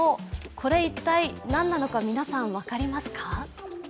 これ、一体何なのか皆さん分かりますか？